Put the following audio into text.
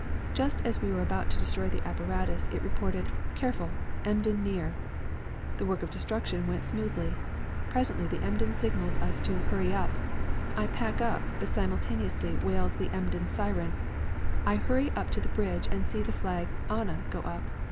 Just as we were about to destroy the apparatus it reported 'Careful. Emden near.' The work of destruction went smoothly. Presently the Emden signaled to us 'Hurry up.' I pack up, but simultaneously wails the Emden's siren. I hurry up to the bridge, see the flag 'Anna' go up.